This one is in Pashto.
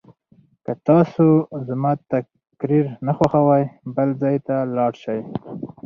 که تاسو زما تقریر نه خوښوئ بل ځای ته لاړ شئ.